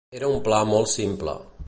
Era un pla molt simple.